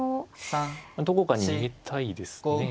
どこかに逃げたいですね。